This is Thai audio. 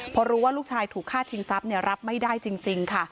พอรู้ว่าลูกชายถูกฆ่าชิงทรัพย์รับไม่ได้จริงค่ะ